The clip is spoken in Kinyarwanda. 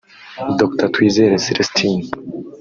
Dr Twizere Celestin